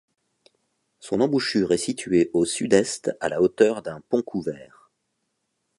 Son embouchure est située au sud-est à la hauteur d'un pont couvert.